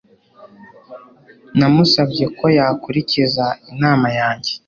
Namusabye ko yakurikiza inama zanjye